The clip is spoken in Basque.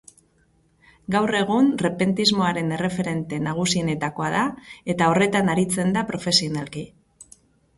Gaur egun repentismoaren erreferente nagusienetakoa da, eta horretan aritzen da profesionalki.